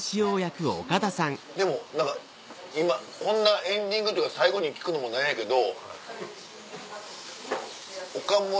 でも何か今こんなエンディングというか最後に聞くのも何やけど。